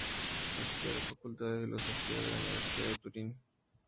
Asistió a la Facultad de Filosofía de la Universidad de Turín.